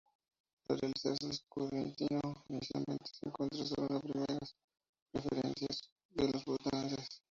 Al realizarse el escrutinio, inicialmente se cuentan solo las primeras preferencias de los votantes.